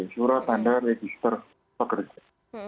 surat tanda register pekerja